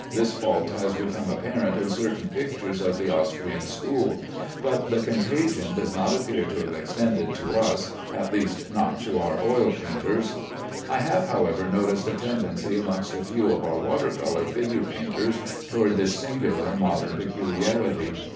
This fault has become apparent in certain pictures of the Austrian school; but the contagion does not appear to have extended to us, at least not to our oil painters. I have, however, noticed a tendency amongst a few of our water color figure painters toward this singular modern peculiarity.